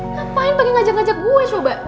ngapain pake ngajak ngajak gue soba